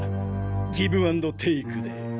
ギブ・アンド・テイクで。